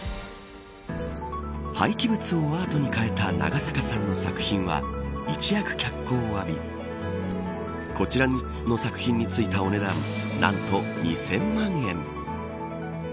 廃棄物をアートに変えた長坂さんの作品は一躍脚光を浴びこちらの作品についたお値段なんと２０００万円。